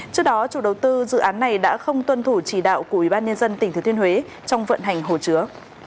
trước đó chủ đầu tư dự án này đã không tuân thủ chỉ đạo của ubnd tỉnh thừa thiên huế trong vận hành hồ chứa